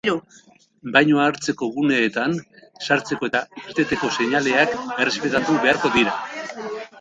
Bainua hartzeko guneetan sartzeko eta irteteko seinaleak errespetatu beharko dira.